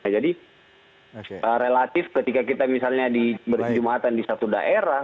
relatif ketika kita misalnya di berjumatan di satu daerah